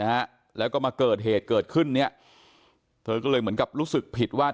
ฮะแล้วก็มาเกิดเหตุเกิดขึ้นเนี้ยเธอก็เลยเหมือนกับรู้สึกผิดว่า